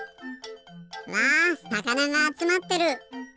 うわさかながあつまってる。